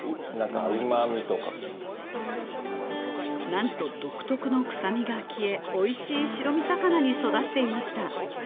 なんと独特の臭みが消え美味しい白身魚に育っていました